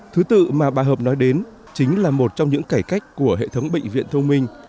thứ tự mà bà hợp nói đến chính là một trong những cải cách của hệ thống bệnh viện thông minh